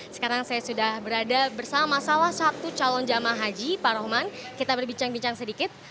sekarang saya sudah berada bersama salah satu calon jamaah haji pak rohman kita berbincang bincang sedikit